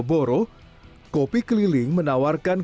selain dari beragam kota kopi keliling juga menjadi